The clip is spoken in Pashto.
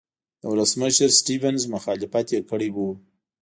د ولسمشر سټیونز مخالفت یې کړی و.